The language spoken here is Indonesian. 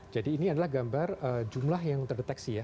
jadi ini adalah gambar jumlah yang terdeteksi ya